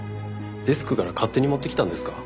デスクから勝手に持ってきたんですか？